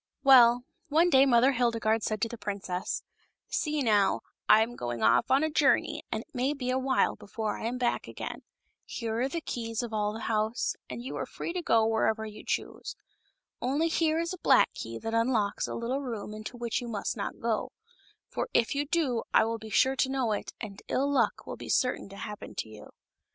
Well, one day Mother Hildegarde said to the princess: "See, now; I am going off on a journey, and it may be a while before I am back again. Here are the keys of all of the house, and you are free to go wherever you choose. Only here is a black key that unlocks a little room into which you must not go ; for if you do I will be sure to know it, and ill luck will be certain to happen to you."